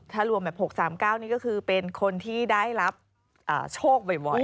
๓๙ถ้ารวม๖๓ก็เป็นคนที่ได้รับโชคบ่อย